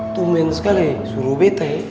tumeng sekali suruh bete